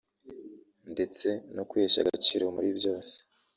ndetse no kwihesha agaciro muri byose